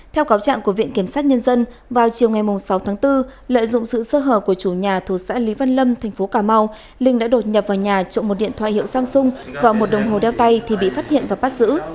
theo cáo trạng của viện kiểm sát nhân dân vào chiều ngày sáu tháng bốn lợi dụng sự sơ hở của chủ nhà thuộc xã lý văn lâm thành phố cà mau linh đã đột nhập vào nhà trộm một điện thoại hiệu samsung và một đồng hồ đeo tay thì bị phát hiện và bắt giữ